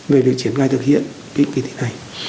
về được triển khai thực hiện kỳ thi này